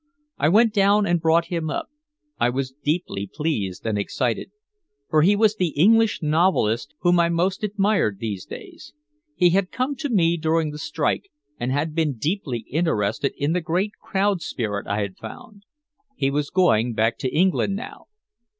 I went down and brought him up, I was deeply pleased and excited. For he was the English novelist whom I most admired these days. He had come to me during the strike and had been deeply interested in the great crowd spirit I had found. He was going back to England now.